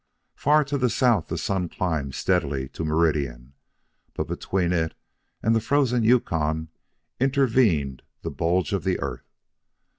Far to the south the sun climbed steadily to meridian, but between it and the frozen Yukon intervened the bulge of the earth.